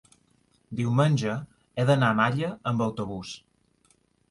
diumenge he d'anar a Malla amb autobús.